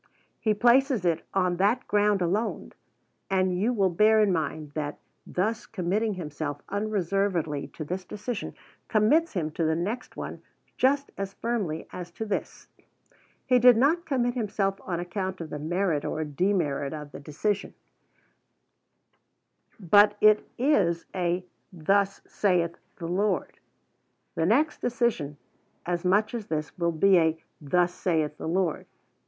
He places it on that ground alone, and you will bear in mind that thus committing himself unreservedly to this decision commits him to the next one just as firmly as to this. He did not commit himself on account of the merit or demerit of the decision, but it is a "Thus saith the Lord." The next decision, as much as this, will be a "Thus saith the Lord."